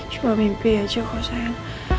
cuma mimpi aja kok sayang